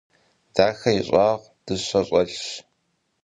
Дахэ и щӀагъ дыщэ щӀэлъщ.